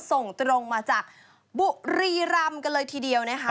ส่งตรงมาจากบุรีรำกันเลยทีเดียวนะคะ